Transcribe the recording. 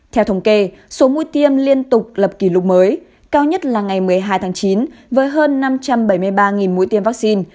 theo thống kê số mũi tiêm liên tục lập kỷ lục mới cao nhất là ngày một mươi hai tháng chín với hơn năm trăm bảy mươi ba mũi tiêm vaccine